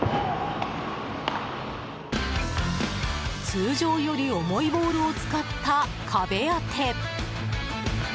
通常より重いボールを使った壁当て。